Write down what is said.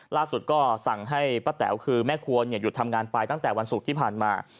ล่าสุดก็สั่งให้ป้าแต๋วคือแม่ควรหยุดทำงานไปตั้งแต่วันศุกร์ที่ผ่านมา